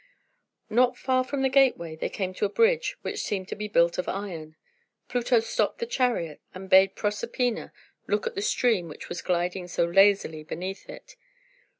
Not far from the gateway they came to a bridge which seemed to be built of iron, Pluto stopped the chariot, and bade Proserpina look at the stream which was gliding so lazily beneath it.